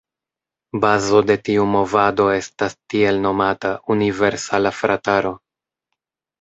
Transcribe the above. Bazo de tiu movado estas tiel nomata „Universala Frataro“.